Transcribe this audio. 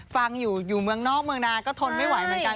ฟังอยู่อยู่เมืองนอกเมืองนาก็ทนไม่ไหวเหมือนกัน